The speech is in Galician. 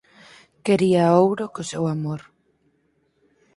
Quería ouro co seu amor.